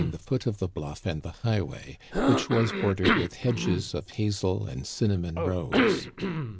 the foot of the bluff and the highway, which was bor dered with hedges of hazel and cinnamon rose.